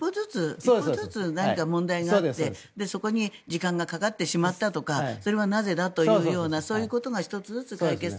一歩ずつ何か問題があってそこに時間がかかってしまったとかそれがなぜだというそういうことが１つずつ解決。